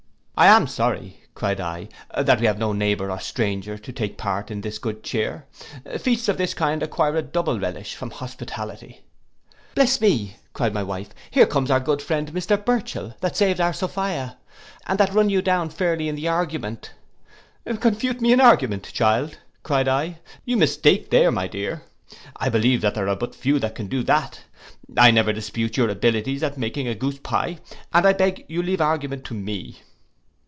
'I am sorry,' cried I, 'that we have no neighbour or stranger to take a part in this good cheer: feasts of this kind acquire a double relish from hospitality.'—'Bless me,' cried my wife, 'here comes our good friend Mr Burchell, that saved our Sophia, and that run you down fairly in the argument'—'Confute me in argument, child!' cried I. 'You mistake there, my dear. I believe there are but few that can do that: I never dispute your abilities at making a goose pye, and I beg you'll leave argument to me.